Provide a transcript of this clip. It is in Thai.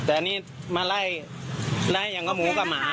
แต่อันนี้มาไล่ไล่อย่างก็หมูกับหมา